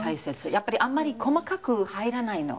やっぱりあんまり細かく入らないの。